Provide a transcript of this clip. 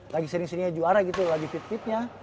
lagi sering seringnya juara gitu lagi fit fitnya